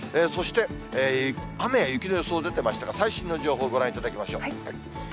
そして、雨や雪の予想出てましたが、最新の情報をご覧いただきましょう。